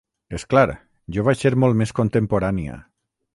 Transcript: És clar, jo vaig ser molt més contemporània.